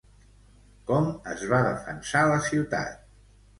Com es va defensar la ciutat?